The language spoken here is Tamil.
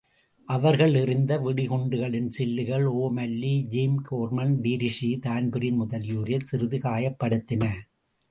அவர்கள் எறிந்த வெடிகுண்டுகளின் சில்லுகள் ஒ மல்லி, ஜிம் கோர்மன், டிரீவி, தான்பிரீன் முதலியோரைச் சிறிது காயப்படுத்தின.